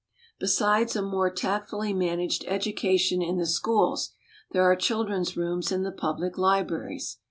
Besides a more tact fully managed education in the schools, there are children's rooms in the public libraries.